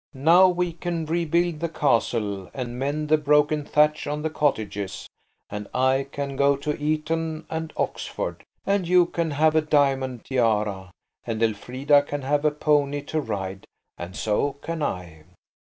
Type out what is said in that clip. Now we can rebuild the castle and mend the broken thatch on the cottages, and I can go to Eton and Oxford, and you can have a diamond tiara, and Elfrida can have a pony to ride, and so can I."